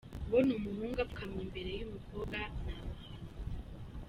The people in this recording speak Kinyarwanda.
Kubona umuhungu apfukamye imbere y’umukobwa ni amahano.